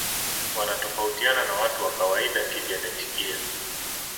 Wanatofautiana na watu wa kawaida kijenetikia